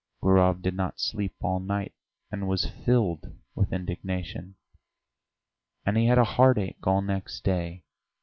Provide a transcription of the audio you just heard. Gurov did not sleep all night, and was filled with indignation. And he had a headache all next day.